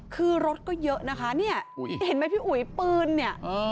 คือรถก็เยอะนะคะเนี่ยเห็นไหมพี่อุ๋ยปืนเนี่ย